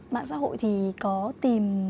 mạng xã hội thì có tìm